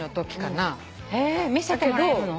へぇ見せてもらえるの？